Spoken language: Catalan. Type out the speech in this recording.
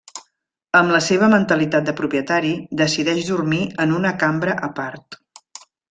Amb la seva mentalitat de propietari, decideix dormir en una cambra a part.